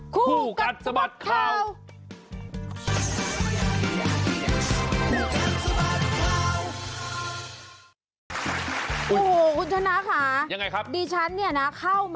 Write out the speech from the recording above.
คู่กัดสะบัดข่าว